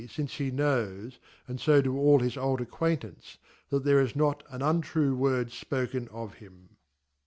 fxnce he knows, and fo do all his old acquain tance, that thece is not an untrue wordfpoken of him.